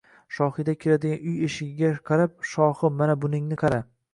Shohida kiradigan uy eshigiga qarab “Shohi, mana buningni qara